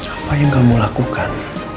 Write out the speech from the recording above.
apa yang kamu lakukan